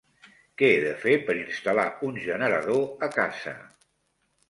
Què he de fer per instal·lar un generador a casa?